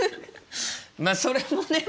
まあそれもね